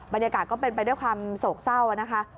บรรยากาศก็เป็นไปด้วยความโศกเศร้านะคะ